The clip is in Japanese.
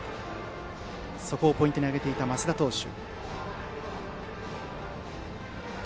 そこをポイントに挙げていた升田投手。